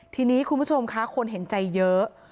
ทีนี้คุณผู้ชมค่ะคนเห็นใจเยอะ